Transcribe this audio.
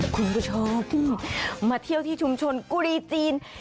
คุณผู้ชมมาเที่ยวที่ชุมชนกุรีจีน